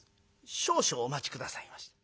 少々お待ち下さいまし」。